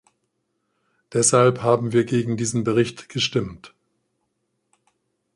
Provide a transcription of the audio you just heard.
Deshalb haben wir gegen diesen Bericht gestimmt.